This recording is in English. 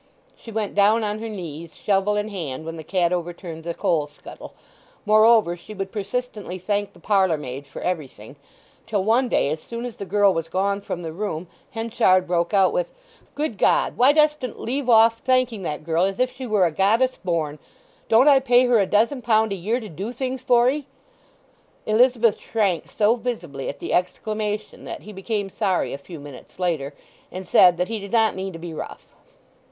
She went down on her knees, shovel in hand, when the cat overturned the coal scuttle; moreover, she would persistently thank the parlour maid for everything, till one day, as soon as the girl was gone from the room, Henchard broke out with, "Good God, why dostn't leave off thanking that girl as if she were a goddess born! Don't I pay her a dozen pound a year to do things for 'ee?" Elizabeth shrank so visibly at the exclamation that he became sorry a few minutes after, and said that he did not mean to be rough.